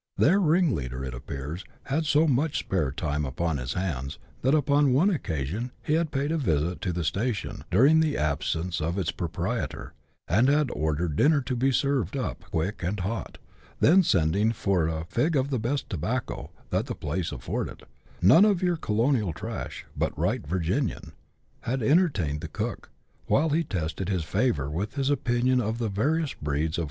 Their ringleader, it appears, had so much spare time upon his hands, that upon one occasion he had paid a visit to the station, during the absence of its proprietor, and had ordered dinner to be served up, quick and hot ; then, sending for a " fig " of the best tobacco that the place afforded — none of your colo nial trash, but right Virginian — had entertained the cook, while he tested its flavour, with his opinion of the various breeds of CHAP.